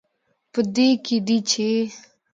په دې کې دی، چې